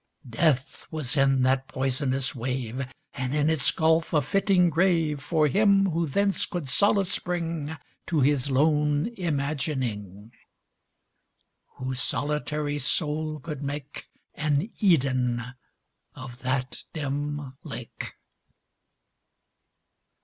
Death was in that poisonous wave, And in its gulf a fitting grave For him who thence could solace bring To his lone imagining— Whose solitary soul could make An Eden of that dim lake.